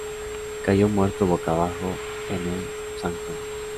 Cayó muerto boca abajo en un zanjón.